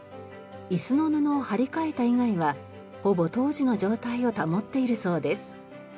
椅子の布を張り替えた以外はほぼ当時の状態を保っているそうです。